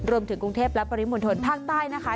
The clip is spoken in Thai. รวมถึงกรุงเทพและปริมณฑลภาคใต้นะคะ